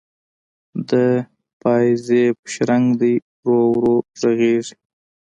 د پایزیب شرنګ دی ورو ورو ږغیږې